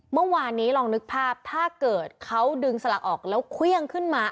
เมื่อวานนี้ลองนึกภาพถ้าเกิดเขาดึงสลักออกแล้วเครื่องขึ้นมา